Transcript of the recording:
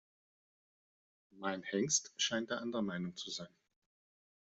Mein Hengst scheint da anderer Meinung zu sein.